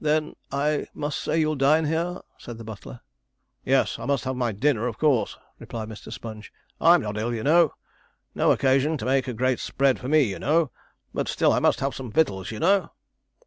'Then I must say you'll dine here?' said the butler. 'Yes; I must have my dinner, of course,' replied Mr. Sponge. 'I'm not ill, you know. No occasion to make a great spread for me, you know; but still I must have some victuals, you know.'